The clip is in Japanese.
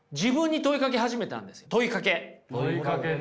問いかけね。